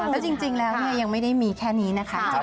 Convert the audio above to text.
แล้วจริงแล้วยังไม่ได้มีแค่นี้นะคะ